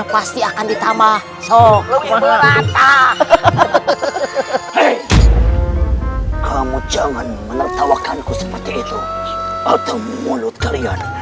pasti akan ditambah soh dia merata hehehe kamu jangan menertawakanku seperti itu atau mulut kalian